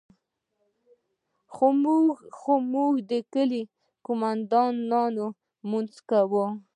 خو زموږ د کلي قومندان لا لمونځ کاوه.